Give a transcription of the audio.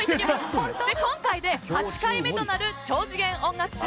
今回で８回目となる「超次元音楽祭」。